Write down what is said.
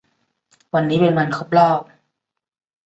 วันนี้เป็นวันครบรอบ